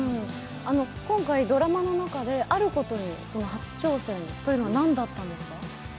今回ドラマの中であることに初挑戦というのは何だったんですか？